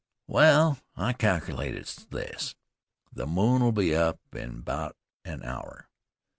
"Wal, I calkilate it's this. The moon'll be up in about an hour.